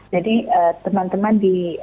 jadi teman teman di